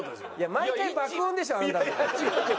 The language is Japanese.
毎回爆音でしょあなた。